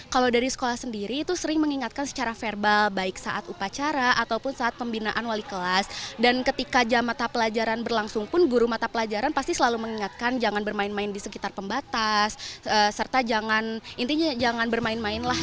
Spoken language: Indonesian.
kalau dari sekolah sendiri itu sering mengingatkan secara verbal baik saat upacara ataupun saat pembinaan wali kelas dan ketika jam mata pelajaran berlangsung pun guru mata pelajaran pasti selalu mengingatkan jangan bermain main di sekitar pembatas serta jangan intinya jangan bermain main lah